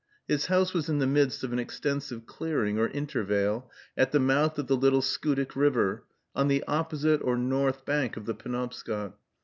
His house was in the midst of an extensive clearing or intervale, at the mouth of the Little Schoodic River, on the opposite or north bank of the Penobscot.